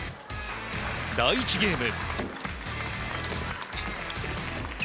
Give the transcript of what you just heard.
第１ゲーム。